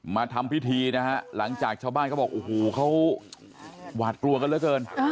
มาทำพิธีนะฮะหลังจากชาวบ้านเขาบอกโอ้โหเขาหวาดกลัวกันเหลือเกิน